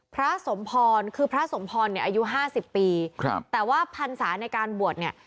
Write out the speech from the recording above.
พระสมพรคือพระสมพรเนี่ยอายุห้าสิบปีครับแต่ว่าพรรษาในการบวชเนี่ย